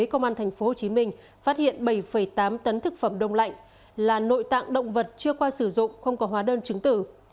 công an tp hcm phát hiện bảy tám tấn thực phẩm đông lạnh là nội tạng động vật chưa qua sử dụng không có hóa đơn chứng tử